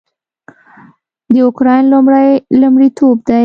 د اوکراین لومړی لومړیتوب دی